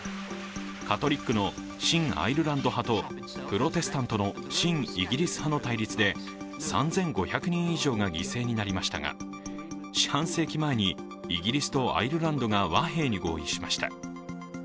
カトリックの親アイルランド派とプロテスタントの親イギリス派の対立で３５００人以上が犠牲になりましたが、四半世紀前にイギリスとアイルランドが和平に合意しました。